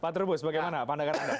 pak trubus bagaimana pandangan anda